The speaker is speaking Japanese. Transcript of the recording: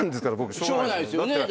しょうがないっすよね。